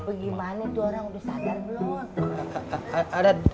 gimana itu orang udah sadar belum